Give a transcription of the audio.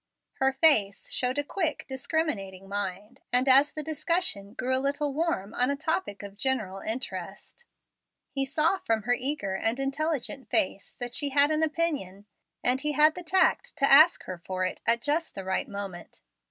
Her face showed a quick, discriminating mind, and as the discussion grew a little warm on a topic of general interest, he saw from her eager and intelligent face that she had an opinion, and he had the tact to ask her for it just at the right moment.